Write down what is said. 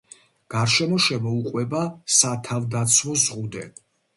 გარშემო შემოუყვება სათავდაცვო ზღუდე.